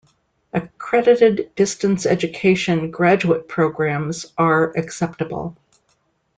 Accredited distance education graduate programs are acceptable.